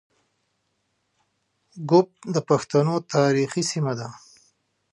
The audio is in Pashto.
ږوب د پښتنو تاریخي سیمه ده